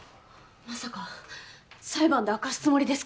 まさか裁判で明かすつもりですか！？